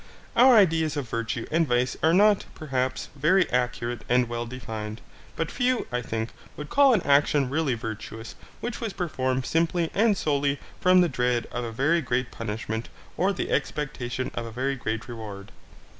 Our ideas of virtue and vice are not, perhaps, very accurate and well defined; but few, I think, would call an action really virtuous which was performed simply and solely from the dread of a very great punishment or the expectation of a very great reward.